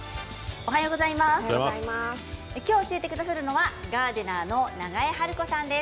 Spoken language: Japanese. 今日、教えてくださるのはガーデナーの永江晴子さんです。